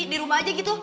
di rumah aja gitu